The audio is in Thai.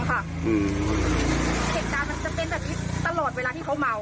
เหตุการณ์มันจะเป็นแบบนี้ตลอดเวลาที่เขาเมา